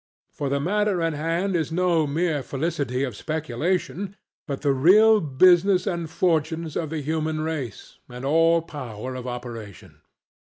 For the matter in hand is no mere felicity of speculation, but the real business and fortunes of the human race, and all power of operation.